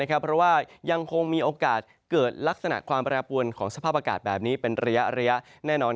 เพราะว่ายังคงมีโอกาสเกิดลักษณะความแปรปวนของสภาพอากาศแบบนี้เป็นระยะแน่นอน